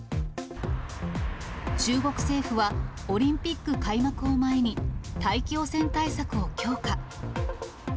中国政府は、オリンピック開幕を前に、大気汚染対策を強化。